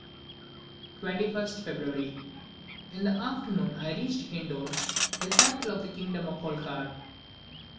21st February. In the afternoon I reached Indor, the capital of the kingdom of Holkar.